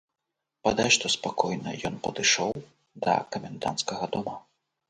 Бадай што спакойна ён падышоў да каменданцкага дома.